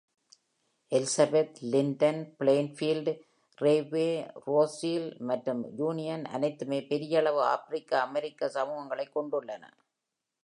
Elizabeth, Linden, Plainfield, Rahway, Roselle மற்றும் Union அனைத்துமே பெரிய அளவு ஆப்பிரிக்க அமெரிக்க சமூகங்களைக் கொண்டுள்ளன.